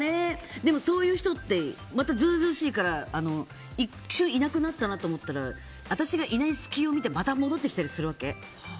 でも、そういう人って図々しいからいなくなったらと思ったら私がいない隙を見てまた戻ってきたりするわけ。